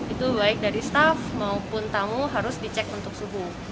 itu baik dari staff maupun tamu harus dicek untuk subuh